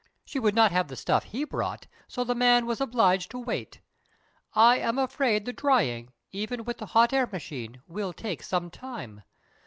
She would not have the stuff he brought, so the man was obliged to wait. I am afraid the drying, even with the hot air machine, will take some time.